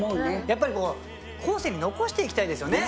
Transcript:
やっぱりこう後世に残していきたいですよね